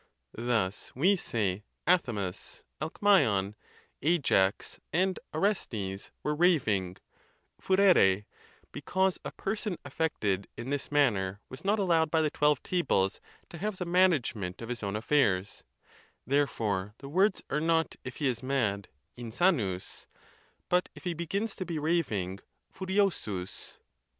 Thus we say Athamas, Alemzon, Ajax, and Orestes were raving (fu rere); because a person affected in this manner was not allowed by the Twelve Tables to have the management of his own affairs; therefore the words are not, if he is mad (insanus), but if he begins to be raving (furiosus).